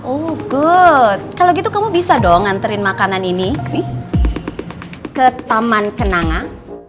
oh good kalau gitu kamu bisa dong nganterin makanan ini nih ke taman kenangan